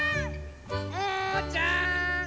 ・おうちゃん！